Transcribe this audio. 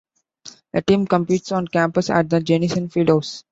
The team competes on campus at the Jenison Field House.